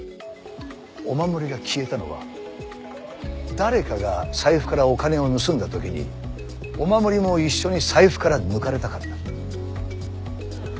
お守りが消えたのは誰かが財布からお金を盗んだ時にお守りも一緒に財布から抜かれたからだ。